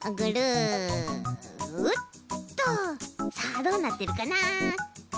さあどうなってるかな？